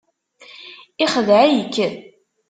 Ixdeε-ik.